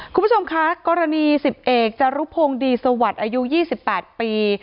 คุณผู้ชมคะกรณี๑๐เอกจารุพงศ์ดีสวัสดิ์อายุ๒๘ปี